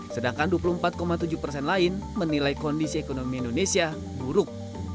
sedangkan dua puluh empat tujuh persen lain menilai kondisi ekonomi indonesia buruk